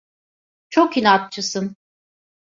Çok inatçısın.